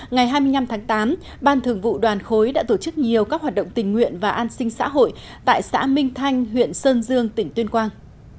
ngày hai mươi năm tháng tám ban thường vụ đoàn khối đã tổ chức nhiều các hoạt động tình nguyện và an sinh xã hội tại xã minh thanh huyện sơn dương tỉnh tuyên quang